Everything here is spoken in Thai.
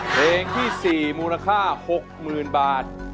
เพลงที่๔มูลค่า๖๐๐๐บาท